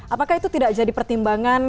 apakah itu tidak jadi pertimbangan